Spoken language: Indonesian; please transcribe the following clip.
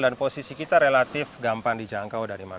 dan posisi kita relatif gampang dijangkau dari mana pun